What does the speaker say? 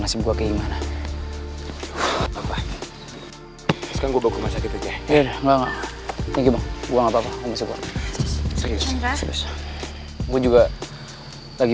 nasib gue kayak gimana sekarang gua bakal sakit aja ya enggak gua nggak apa apa gue juga lagi